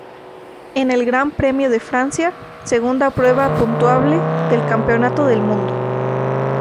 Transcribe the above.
En el Gran Premio de Francia, segunda prueba puntuable del Campeonato del Mundo.